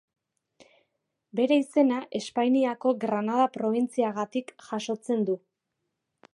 Bere izena Espainiako Granada probintziagatik jasotzen du.